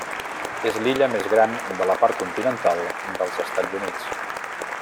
És l'illa més gran de la part continental dels Estats Units.